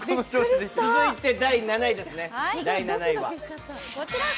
続いて第７位ですね。